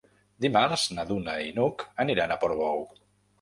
Dimarts na Duna i n'Hug aniran a Portbou.